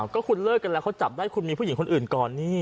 ก็คุณเลิกกันแล้วเขาจับได้คุณมีผู้หญิงคนอื่นก่อนนี่